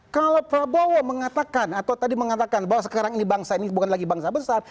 kalau prabowo mengatakan atau tadi mengatakan bahwa sekarang ini bangsa ini bukan lagi bangsa besar